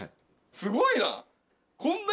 すごいな。